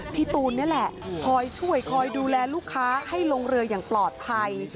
พี่ตูนนี่แหละคอยช่วยคอยดูแลลูกค้าให้ลงเรืออย่างปลอดภัย